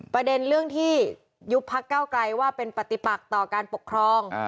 ประเด็นเรื่องที่ยุบพักเก้าไกลว่าเป็นปฏิปักต่อการปกครอง